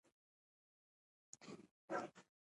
کوچیان د لرغوني افغان کلتور سره تړاو لري.